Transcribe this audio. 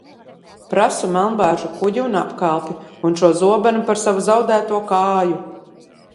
Prasu Melnbārža kuģi un apkalpi, un šo zobenu par savu zaudēto kāju!